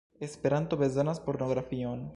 Esperanto bezonas pornografion